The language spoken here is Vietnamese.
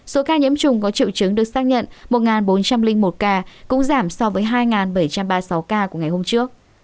số ca nhiễm trùng có triệu chứng được xác nhận một bốn trăm linh một ca cũng giảm so với hai bảy trăm ba mươi sáu ca của ngày hôm trước